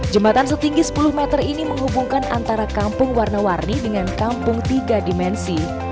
jembatan setinggi sepuluh meter ini menghubungkan antara kampung warna warni dengan kampung tiga dimensi